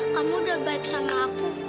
kamu udah baik sama aku